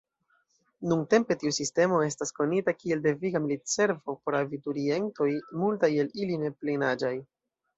Nuntempe tiu sistemo estas konita kiel deviga militservo por abiturientoj, multaj el ili neplenaĝaj.